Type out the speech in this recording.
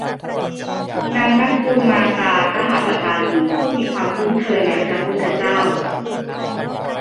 นางนกุลมาตาคหปตานี ผู้มีความคุ้นเคยในพระพุทธเจ้า